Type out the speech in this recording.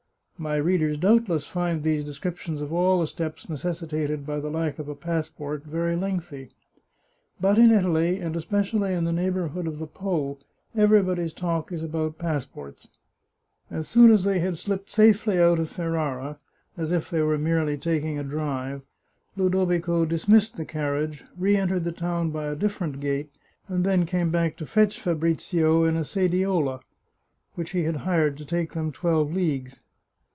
My readers doubtless find these descriptions of all the steps necessitated by the lack of a passport very lengthy. But in Italy, and especially in the neighbourhood of the Po, everybody's talk is about passports. As soon as they had slipped safely out of Ferrara, as if they were merely taking a drive, Ludovico dismissed the carriage, re entered the town by a different gate, and then came back to fetch Fabrizio in a sediola, which he had hired to take them twelve leagues.